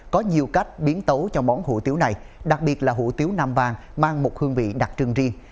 có nhiều cách biến tấu cho món hủ tiếu này đặc biệt là hủ tiếu nam vàng mang một hương vị đặc trưng riêng